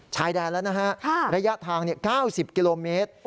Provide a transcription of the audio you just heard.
ชายแดนแล้วนะฮะระยะทาง๙๐กิโลเมตร